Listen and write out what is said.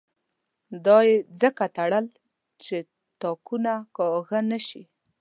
دا یې ځکه تړل چې تاکونه کاږه نه شي.